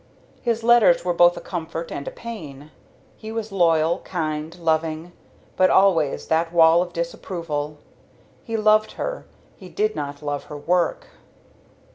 His letters were both a comfort and a pain. He was loyal, kind, loving, but always that wall of disapproval. He loved her, he did not love her work.